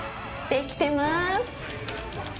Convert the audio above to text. できてまーす！